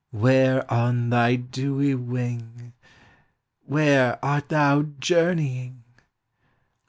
Where, on thy dewy wing, Where art thou journeying?